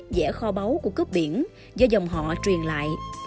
dẻ kho báu của cướp biển do dòng họ truyền lại